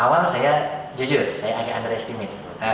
awal saya jujur saya agak unrestimate